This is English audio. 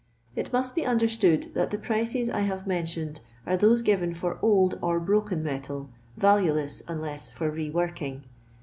It must be understood that the pricea I hafi mentioned are those given for old or brokca metal, valueless unless for re working.